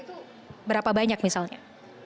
itu berapa banyak misalnya